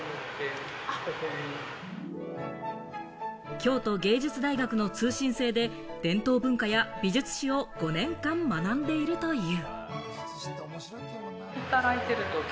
京都芸術大学の通信制で伝統文化や美術史を５年間学んでいるという。